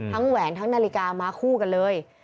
แหวนทั้งนาฬิกามาคู่กันเลย